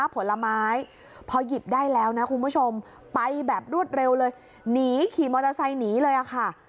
ไปแบบรวดเร็วเลยหนีขี่มอเตอร์ไซค์หนีเลยค่ะ